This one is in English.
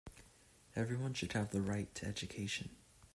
Everyone should have the right to education.